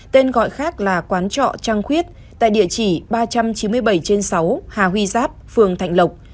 tên gọi khác là quán trọ trăng khuyết tại địa chỉ ba trăm chín mươi bảy trên sáu hà huy giáp phường thạnh lộc